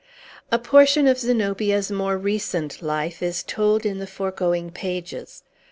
A portion of Zenobia's more recent life is told in the foregoing pages.